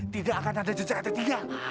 tidak akan ada jejak yang tertinggal